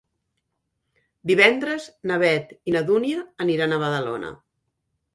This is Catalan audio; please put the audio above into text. Divendres na Beth i na Dúnia aniran a Badalona.